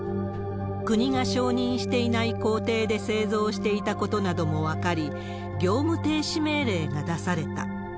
国が承認していない工程で製造していたことなども分かり、業務停止命令が出された。